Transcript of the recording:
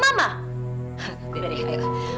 tidak tidak deh ayo